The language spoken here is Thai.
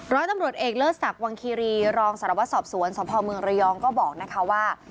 ร้อยตำรวจเอกเลิศศักดิ์วังคีรีรองสารวัตรสอบสวนสพเมืองระยองก็บอกนะคะว่า